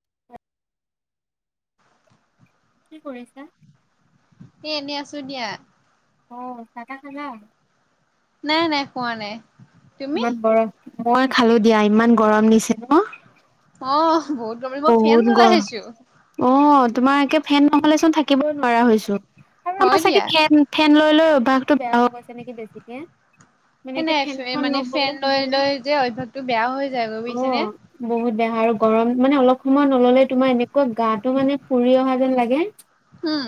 [inaudible] কি কৰিছা? এ, এনেই আছো দিয়া। অ, চাহ-তাহ খালা? নাই, নাই, খোৱা নাই। তুমি ইমান গৰম, মই খালো দিয়া। ইমান গৰম নিছে ন? অ বহুত গৰম মই বহুত ফেন চলাই গৰম, আছো। অ তোমাৰ একে ফেন নহলেচোন থাকিবও নোৱাৰা হৈছো আৰু হয় আমাৰ চাগে দিয়া ফেন ফেন লৈ লৈ অভ্যাসটো বেয়া হৈ গৈছে নেকি বেছিকে। মানে হয় একে নাই ফেনখন মানে ফেন নহ'লে লৈ লৈ যে অভ্যাসটো বেয়া হৈ যায় বুজিছে নে? অ', বহুত বেয়া হয়। আৰু গৰম মানে অলপ সময় নললে তোমাৰ এনেকুৱা গাটো মানে পুৰি অহা যেন লাগে। উম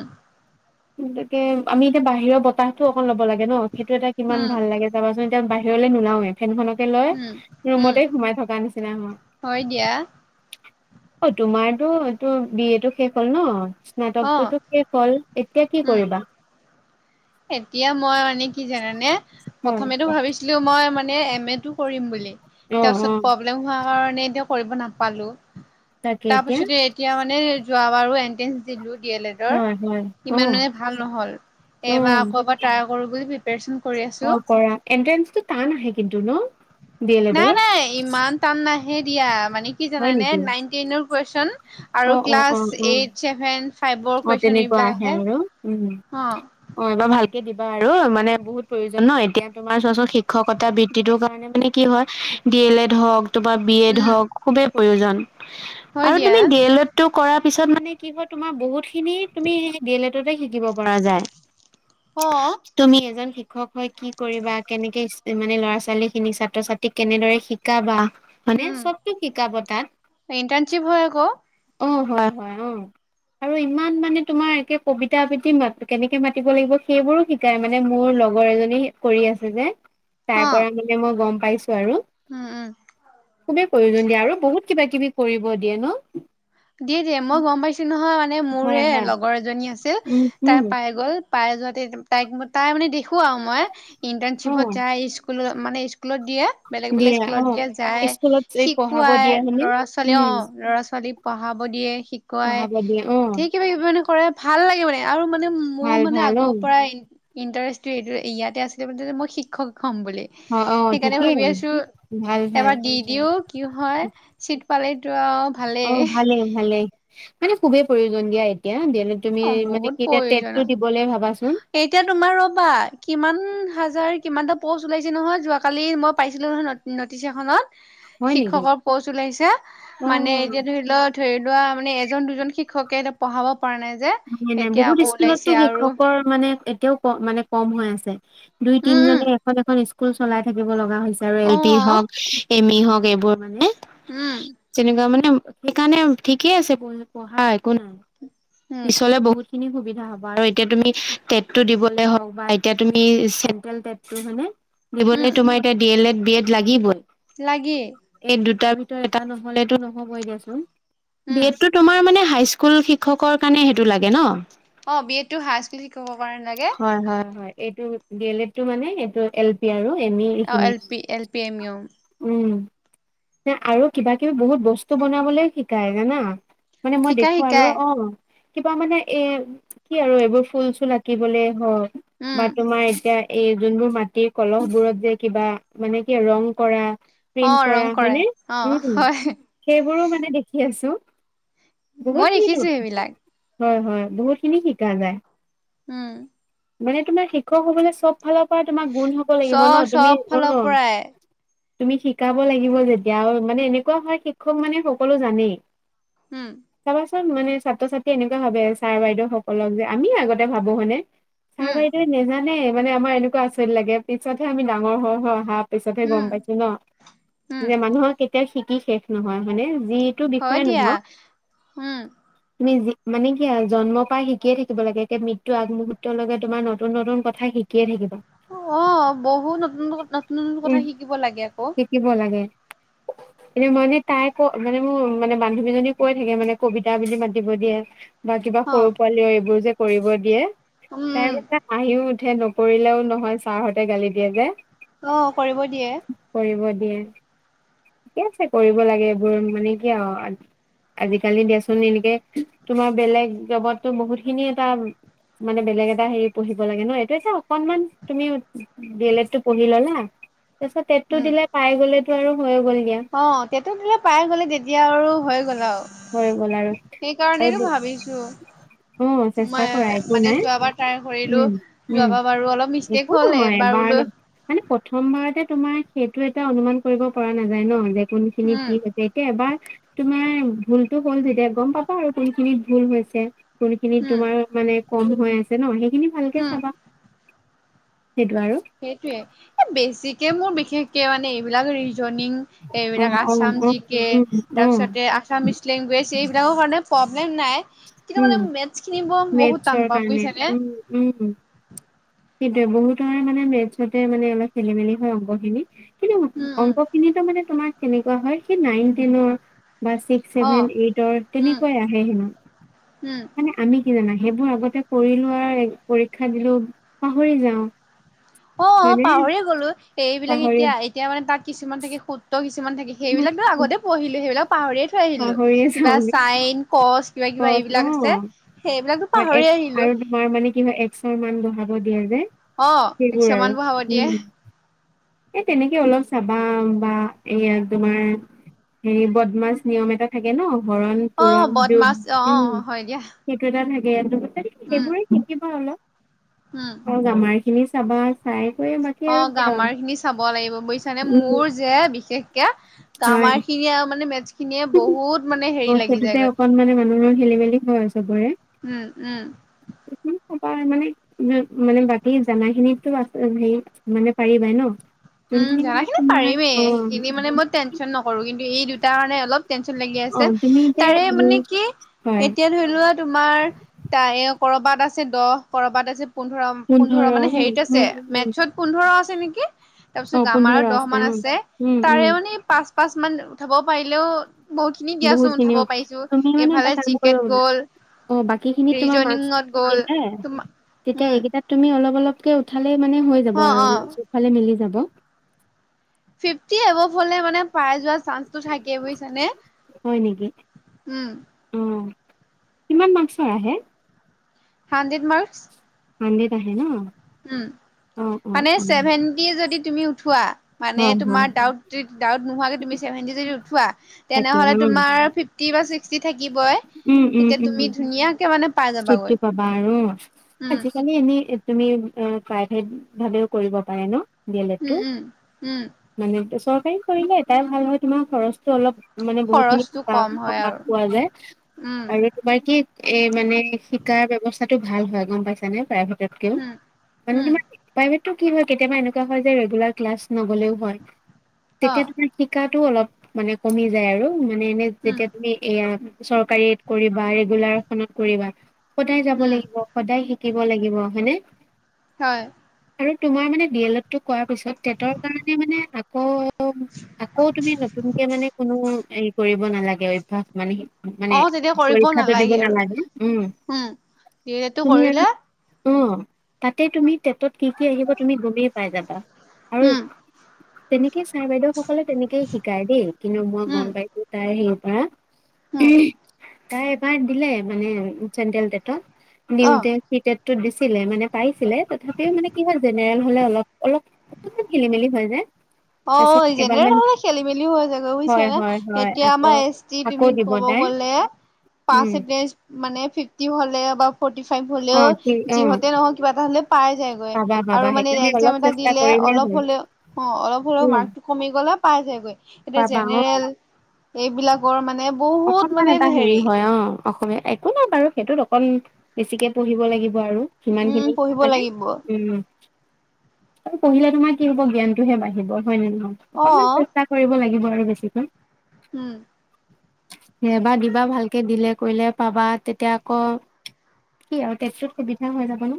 তাকে আমি এতিয়া বাহিৰৰ বতাহটো অকন ল'ব লাগে ন। সেইটো এটা কিমান উম ভাল লাগে। চাবাচোন এতিয়া বাহিৰলে নোলাওে ফেনকে লৈ উম উম ৰুমতে সোমাই থকা নিচিনা হয়। ঐ তোমাৰতো এইটো বি এ টো শেষ হ'ল ন? অ স্নাতকটোতো শেষ হল, এতিয়া কি উম কৰিবা? এতিয়া মই মানে কি জানা নে, হয় প্ৰথমেটো ভাবিছিলো মই মানে এম এ টো কৰিম বুলি। অ তাৰ অ পিছত প্ৰব্লেম হোৱা কাৰণে এতিয়া কৰিব নাপালো। তাকে এতিয়া তাৰপিছতে এতিয়া মানে যোৱাবাৰু এণ্ট্ৰেঞ্চ দিলো ডি এল হয় হয় এডৰ অ ইমান মানে ভাল নহ'ল। অ এইবাৰ আকৌ এবাৰ ট্ৰাই কৰো বুলি প্ৰিপাৰেচন কৰি আছো। এণ্ট্ৰেন্ঞ্চটো টান আহে কিন্তু ন? ডি এল নাই এডৰ নাই ইমান টান নাহে দিয়া, মানে কি হয় জানানে নেকি? নাইন টেইনৰ কুৱেশন আৰু অ অ অ ক্লাছ অ এইট চেছেভেন অ তেনেকুৱা আহে আৰু উম উম। অ। অ এইবাৰ ভালকে দিবা আৰু। মানে বহুত প্ৰয়োজন ন এতিয়া তোমাৰ চোৱাচোন শিক্ষকতা বৃত্তিটোৰ কাৰণে। মানে কি হয় ডি এল এড হওঁক, তোমাৰ বি এড উম হওক খুবেই প্ৰয়োজন। হয় আৰু দিয়া তুমি ডি এল এড টো কৰাৰ পিছত মানে কি হল তোমাৰ বহুত খিনি তুমি সেই ডি এল এটতে শিকিব পৰা যায়। অঁ। তুমি এজন শিক্ষক হয় কি কৰিবা কেনেকে মানে ল'ৰা ছোৱালী খিনি ছাত্ৰ ছা ত্ৰীক কেনেদৰে শিকাবা মানে উম চবটো শিকাব তাত। ইণ্টাৰ্ণশ্বিপ হয় আকৌ অ হয় হয় অঁ। আৰু ইমান মানে তোমাৰ একে কবিতা আবৃত্তি কেনেকে মাতি লাগিব সেইবোৰো শি কাই মানে মোৰ লগৰ এজনী কৰি আছে যে তাৰ অ পৰা মানে মই গম পাইছো আৰু। উম উম। খুবেই প্ৰয়োজন দিয়া আৰু বহুত কিবা কিবি কৰিব দিয়ে ন? দিয়ে দিয়ে মই গম পাইছো নহয়। মানে মোৰ হয় হয় লগৰ এজনী আছিল উম তাই উম পাই গ'ল পাই যোৱাতে তাইক তাই মানে দেখো আৰু মই অ ইণ্টাৰ্ণশ্বিপত যায় স্কুলত মানে স্কুলত দিয়ে। বেলেগ বেলেগ দিয়ে অ স্কুলত দিয়ে যায়, স্কুলত এই পঢ়াব শিকোৱাই দিয়ে হয়নে ল'ৰা ছোৱালী উম অ ল'ৰা ছোৱালী পঢ়াব দিয়ে, শিকুৱাই। পঢ়াব দিয়ে অ ঢেৰ কিবা কিবি মানে কৰে ভাল লাগে মানে আৰু মানে। মোৰ ভাল মানে ভাল অ আগৰ পৰা ইণ্টাৰেষ্টটো এই ইয়াতে আছিলে ম মই শিক্ষক হ'ম বুলি। অ অ সেইকাৰণে ঠিকেই ভাবি আছো ভাল ভাল এবাৰ দি দিও কি হয় চিট পালিটো আৰু। ভালেই অঁ ভালেই ভালেই মানে খুবেই প্ৰয়োজন দিয়া এতিয়া। তুমি অ মানে বহুত কি এতিয়া প্ৰয়োজন তেটটো দিবলৈ ভাবাচোন। এতিয়া তোমাৰ ৰ'বা কিমান হাজাৰ কিমানটা প'ষ্ট ওলাইছে নহয় যোৱান কালি মই পাইছিলোঁ নহয় ন নটিছ এখনত হয় নেকি শিক্ষকৰ পোষ্ট ওলাইছে অ মানে এতিয়া ধৰি লওক ধৰি লোৱা মানে এজন দুজন শিক্ষকে এত পঢ়াব পৰা নাই। যে নাই, নাই। এতিয়া বহুত আকৌ স্কুলতটো ওলাইছে আৰু শিক্ষকৰ মানে এতিয়াও কম মানে কম হৈ আছে। উম দুই-তিনজনে এখন এখন স্কুল চলাই থাকিব লগা হৈছে। আৰু এল উম পি অ হওঁক, এম ই হওঁক এইবোৰ মানে। উম। যেনেকুৱা মানে সেইকাৰণে ঠিকে আছে ঢ়া, একো উম পিছলে বহু খিনি সুবিধা হ'ব আৰু এতিয়া তুমি টেটটো দিবলে হওঁক বা এতিয়া। চেণ্ট্ৰেল টেটটো হয়নে? দিবলৈ তোমাৰ এতিয়া D L Ed, B Ed লাগিবই। লাগি। এই দুটাৰ ভিতৰত এটা নহ'লেতো নহ'ব এ দিয়াচোন। বি উম এডটো তোমাৰ মানে হাইস্কুল শিক্ষকৰ কাৰণে সেইটো লাগে ন'? অ', বি এডটো হাইস্কুল শিক্ষকৰ কাৰণে লাগে। হয়, হয়, হয়। এইটো ডি এল লেটটো মানে এইটো এল পি আৰু এনেই অ এইখিনি। L P L P M U উম। আৰু কিবা কিবি বহুত বস্তু বনাবলৈ শিকায়, জানা? মানে মই শিকাই দেখোঁ আৰু শিকাই অ'। কিবা মানে এ কি আৰু এইবোৰ ফুল-চুল আঁকিবলে হওঁক উম বা তোমাৰ এতিয়া এই যোনবোৰ মাটিৰ কলহবোৰত যে কিবা মানে কি আৰ ৰং কৰা। অ প্ৰিণ্ট ৰং কৰা, কৰে হয়নে? অ উম। হয় সেইবোৰো মানে দেখি আছোঁ। বহুত মই খিনি দেখিছো দুৰ সেইবিলাক হয়, হয়। বহুতখিনি শিকা নাই। উম। মানে তোমাৰ শিক্ষক হ'বলে চবফালৰ পৰা তোমাৰ গুণ হ'ব চ লাগিব ন'। তুমি চব অ ফালৰ পৰাই তুমি শিকাব লাগিব যেতিয়া আৰু মানে এনেকুৱা হয়, শিক্ষক মানে সকলো জানেই। উম। চাবাচোন, মানে ছাত্ৰ-ছাত্ৰীয়ে এনেকুৱা ভাবে ছাৰ-বাইদেউ সকলক যে আমি আগতে ভাবো হয় নে? উম চাৰ-বাইদেৱে নাজানে, মানে আমাৰ এনেকুৱা আচৰিত লাগে। পিছতহে আমি ডাঙৰ হৈ হৈ অহাত পিছতহে গম উম পাইছো ন', উম যে মানুহৰ কেতিয়াও শিকি শেষ নহয় হয় নে? যি হয় দিয়া। উম। তুমি যিক মানে কি আৰু জন্ম পাই শিকিয়ে থাকিব লাগে। এতিয়া মৃত্যু আগমুহুৰ্ত লগে তোমাৰ নতুন নতুন কথা শিক কিয়ে থাকিবা। অ', বহুত নতুন নতুন নতুন [unintelligible] কথা উম। শিকিব লাগে আকৌ। শিকিব লাগে। ৰিমনে তাই ক মানে মোৰ মানে বান্ধৱীজনী কৈ থাকে মানে কবিত তা বেলি মাতিব দিয়ে। বা কিবা অ সৰু-পোৱালিও এইবোৰ যে কৰিব দিয়ে, উম [unintelligible] আহিও উঠে, নকৰিলেও নহয়। ছাৰহঁতে গালি দিয়ে যে। অ', কৰিব দিয়ে। কৰিব দিয়ে। কে আছে কৰিব লাগে, এইবোৰ মানে কি আউ আ আজিকালি দেচোন এনেকে, তোমাৰ বেলেগ জবততো বহুতখিনি এটা মানে বেলেগ এটা হেৰি পঢ়িব লাগে ন', এতে চা অকনমান তুমি ডি এল এডটো পঢ়ি ল'লা, তাৰ পিছত টেটটো উম দিলে পাই গ'লেতো আৰু হৈয়ে গ'ল দিয়া। অ', টেটত দিলে পাই গ'লে তেতিয়া আৰু হৈএ গ'ল হৈ গ'ল আৰু আৰু সেইকাৰণেইটো ভাবিছ অ ও চেষ্টা মই কৰা একো মানে নাই যোৱাবাৰ ট্ৰাই কৰিলো, উম উম যোৱাবাৰ বাৰু অলপ মিচ একো শেষ হ'ল নহয় এবাৰ ন বোলো মানে প্ৰথম বাৰতে তোমাৰ সেইটো এটা অনুমান কৰিব পৰা নাযায় ন', যে কোনখিনি উম কি সেত এতিয়া এবাৰ তোমাৰ ভুলটো হ'ল যেতিয়া গম পাবা আৰু কোনখিনিত ভুল হৈছে কোনখিনি উম তোমাৰ মানে কম হৈ আছে ন সেইখিনি ভালকে উম চাবা সেইটো আৰু সেইটোয়ে এ বেছিকে মোৰ বিশেষকে মানে এইবিলাক ৰিজনিং অ এইবিলাক অ আসাম অ জি কে উম অ তাৰপিছতে আসামিছ লেংগুৱেজ এইবিলাকৰ কাৰণে প্ৰব্লেম নাই কিন্তু উম মানে মেথছ খিনি ম বহুত মেথছৰ টান পাওঁ কাৰণে বোইছেনে উম উম, সেইটোয়ে বহুতৰে মানে মেথছতে মানে অলপ খেলি মেলি হয় অংকখিনি কিন্ত উম উম অংক খিনিতো মানে তোমাৰ কেনেকুৱা হয় সেই নাইনটিনৰ বা ছিক্স অ ছেভেন এইটৰ উম তেনেকুৱাই আহে হেনো উম মানে আমি কি জানা সেইবোৰ আগতে কৰিলো আৰু পৰীক্ষা দিলো পাহৰি যাওঁ অ', পাহৰিয়েই গলো এইবিলাক পাহৰি এতিয়া এতিয়া মানে তাত কিছুমান থাকে সুত্ ত কিছুমান থাকে উম সেইবিলাকতো উম, আগতে পঢ়িলো সেইবিলাক পাহৰিয়ে থৈ আহিলো পাহৰিয়ে কিবা যাওঁগে চাইন কচ কিবা কিবা কচ এইবিলাক আছে অ সেইবিলাকতো এক পাহৰিয়ে আহিলো আৰু তোমাৰ মানে কি হয় এস্কৰ মান বহাব দিয়ে যে অ সেইবোৰ কিছুমান আৰু বঢ়াব দিয়ে উম এই তেনেকে অলপ চাবা বা এইয়া তোমাৰ হেৰি বদমাছ নিয়ম এটা থাকে ন হৰণ অ পুৰণ যোগ বদমাছ অ অ উম হয় দিয়া সেইটো এটা থাকে আৰু উম, সেইবোৰে শিকিবা অলপ উম, অ', গামাৰ খিনি চাবা ফ্ৰাই কৰি বাকী আৰু অ', কি আৰু গামাৰ খিনি চাব লাগিব বুইছ মানে উম মোৰ যে বিশেষকে গামাৰ হয় খিনিয়ে আৰু মানে মেছ খিনিয়ে বহুত মানে হেৰি অ', লাগি সেইটোতে যায়গৈ অকন মানে মানুহৰ খেলি মেলি হয় চবৰে উম, উম। উম পাপাই মানে উ মানে বাকী জানা খিনিতো আছে হে মানে পাৰিবাই ন উম যোনখিনি মানে জানাখিনি তোমাৰ পাৰিমেই অ সেইখিনি মানে মই টেনশচন নকৰোঁ কিন্তু এই দুটাৰ কাৰণে অলপ টেনচন লাগি অ আছে তুমি যে তাৰে হেৰি মানে কি হয় এতিয়া ধৰি লোৱা তোমাৰ তাৰে কৰবাত আছে দহ কৰবাত আছে পোন্ধৰ পোন্ধৰ মানে উম হেৰিত আছে উম উম মেথছত পোন্ধৰ আছে নিকি তাৰ পিছত অ পোন্ধৰ গামাৰত দহ মান অ আছে উম তাৰে উম মানে পাঁচ পাঁচ মান উঠাব পাৰিলেও বহুত খিনি বহুত দিয়াছো খিনি উঠাব অ পাৰিছো তুমি মানে এটা এইফালে কাম জি কৰিব কেত গ'ল অ বাকী খিনিত তোমাৰ মাৰ্কচ ৰিজনিঙত গ'ল দিলে তোমা তেতিয়া উম এইকেইটাত তুমি অলপ অলপকে উঠালেই মানে হৈ যাব অ', আৰু অ', চবফালে মিলি যাব ফিৰ্ফটি এভব হ'লে মানে পাই যোৱা চান্সটো থাকে বুইছানে হয় নেকি উম অ কিমান মাৰ্কচৰ আহে হাণ্ডেত মাৰ্কস হাণ্ডেত আহে ন উম অ অ মানে অ চেভেন্টি যদি তুমি উঠোৱা মানে হয় হয় তোমাৰ ডাউট ডাউট নোহোৱাকে তুমি ছেভেণ্টি যদি উঠোৱা তাকে তেনেহলে উম তোমাৰ ফিফ টি ছিস্কটি থাকিবই তেতিয়া তুমি ধুনীয়াকে মানে পাই স্তুততি যাবাগৈ পাবা আৰু উম আজিকা মানে এনেই তুমি আ প্ৰাইভেট ভাৱেও কৰিব পাৰে ন ডি এল এট উম টো উম উম মানে চৰকাৰী কৰিলে এটাই ভাল হয় তোমাৰ খৰচটো অলপ মানে বহুতখিনি খৰচটো কাম কম হয় সকাহ আৰু পোৱা যায় উম আৰু তোমাৰ কি এ মানে শিকাৰ ব্যৱস্থাতটো ভাল হয় গম পাইছা নে প্ৰাইভেটত ক উম মান উম [unintelligible] প্ৰাইভটটো কি হয় কেতিয়াবা এনেকুৱা হয় যে ৰেগুলাৰ ক্লাছ নগ'লেও হয় অ তেতিয়া তোমাৰ শিকাতো অলপ মানে কমি যায় আৰু মানে এনে উম যেতিয়া তুমি এয়া চৰকাৰীত কৰিবা ৰেগুলাৰ এখনত কৰিবা সদায় যাব উম লাগিব সদায় শিকিব লাগিব হয়নে। হয়। আৰু তোমাৰ মানে ডি এল ট টো কৰাৰ পিছত টেটৰ কাৰণে মানে আকৌ আকৌ তুমি নতুনকে মানে কোনো হেৰি কৰিব নালাগে অভ্যাস মানে অ মানে তেতিয়া কৰিব পৰীক্ষাটো দিব আৰু নালাগে। উম উম ডিলেটো তুমি আৰু কৰিলে অ', তা তাতে তুমি টেটত কি, কি আহিব তুমি গ'মেই পাই যাবা আৰু উম তেনেকে ছাৰ বাইদেউহঁতে সকলো তেনেকেই শিকায় দেই কিন্তু মই উম গ'ম পাইছোঁ তাই এই বাৰ উম তাই এবাৰ দিলে মানে চেণ্ট্ৰেল টেটত অ দিওঁতে সেই টেটোত দিছিলে মানে পাইছিলে তথাপিও মানে কি হয় জেনেৰেল হ'লে অলপ, অলপ অলপমান খেলি মেলি হয় যে। অ', জেনেৰেল হ'লে খেলি মেলিও হৈ যাগে বুজিছা হয় নে। হয় হয় এতিয়া আকৌ আমাৰ এচ টি আকৌ তুমি দিব ক'ব তাই গ'লে উম পাচেণ্ট মানে ফিৰ্ফটি হ'লে বা ফৰটি ফাইভ অ হ'লেও কি অ যিহতে নহওঁক কিবা এটা হ'লে পাই যাইগৈ পাবা পাবা আৰু মানে সেইকাৰণে ৰেঙ অলপ চেঙ এটা চেষ্টা দিলেও কৰিলেই অলপ হ'লেও হ'ল অ মাৰ্কটো কমি গ'লে পাই যায়গৈ এতিয়া পাবা অ জেনেৰেল এইবিলাকৰ মানে বহুত অকনমান মানে এটা হেৰি হয় অ'। অসমীয়া একো নাই বাৰু সেইটোত অকন বেছিকে পঢ়িব লাগিব আৰু। সিমান উম, খিনি পঢ়িব মানে লাগিব উম। আৰু পঢ়িলে তোমাৰ কি হ'ব জ্ঞানটোহে বাঢ়িব হয় নে ন অকনমান অ', চেষ্টা কৰিব লাগিব আৰু বেছিকৈ। উম। এবাৰ দিবা ভালকে দিলে কৰিলে পাবা তেতিয়া আকৌ কি আৰু টেটোত সুবিধা হৈ যাব ন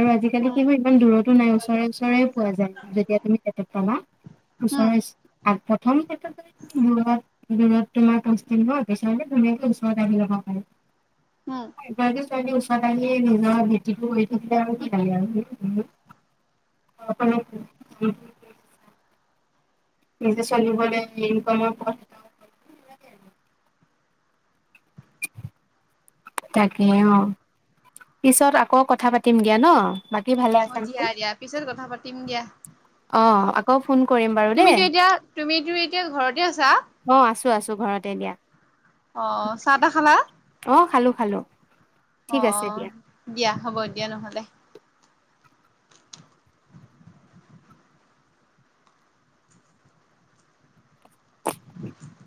আৰু আজিকালি উম, কি হয় ইমান দূৰতো নাই ওচৰে ওচৰেও পোৱা যায় যেতিয়া তুমি টেটত পাবা। উম, ওচৰৰ প্ৰথম ক্ষেত্ৰত তুমি দূৰত, দূৰত তোমাক কাম ছুটী দিব পিছেলে ধুনীয়াকে ওচৰত আহি ল'ব পাৰি উম। এগৰাকী ছোৱালী ওচৰত আহিয়ে নিজৰ ভেটিটো কৰি থাকিলে আৰু কি লাগে আৰু। অ [unintelligible] নিজে [unintelligible] নিবলৈ ইনকমৰ পথ [unintelligible] তাকে অ', পিছত আকৌ কথা পাতিম দিয়া ন। বাকী ভালে আছা অ', দিয়া, নহয় দিয়া পিছত কথা পাতিম দিয়া। অ'। অ', আকৌ ফোন কৰিম বাৰু। দেই তুমিতো এতিয়া, তুমিতো এতিয়া ঘৰতে আছা। অ', আছোঁ, আছোঁ ঘৰতে দিয়া। অ' চাহ তাহ খালা? অ' খালোঁ খালোঁ। অ' দিয়া হ'ব দিয়া নহ'লে। [inaudible]